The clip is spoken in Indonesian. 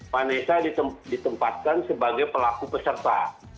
vanessa ditempatkan sebagai pelaku peserta